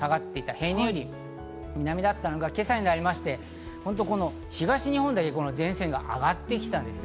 平年より南だったのが今朝になりまして、東日本だけ前線が上がってきたんですね。